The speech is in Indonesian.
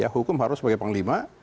hukum harus sebagai panglima